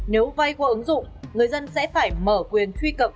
nếu vay qua ứng dụng người dân sẽ phải mở quyền truy cập